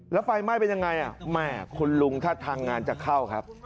แล้วไฟไหม้เป็นยังไงแม่คุณลุงท่าทางงานจะเข้าครับ